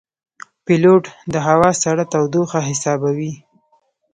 پیلوټ د هوا سړه تودوخه حسابوي.